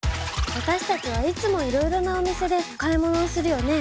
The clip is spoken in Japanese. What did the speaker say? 私たちはいつもいろいろなお店で買い物をするよね。